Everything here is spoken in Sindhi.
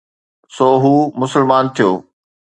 سو هو مسلمان ٿيو